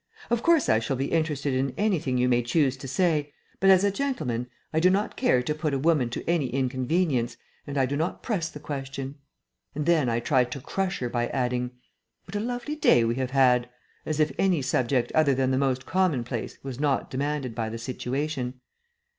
"Of course I shall be interested in anything you may choose to say, but as a gentleman I do not care to put a woman to any inconvenience and I do not press the question." And then I tried to crush her by adding, "What a lovely day we have had," as if any subject other than the most commonplace was not demanded by the situation.